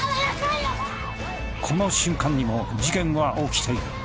この瞬間にも事件は起きている。